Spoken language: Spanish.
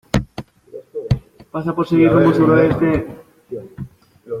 pasa por seguir rumbo suroeste.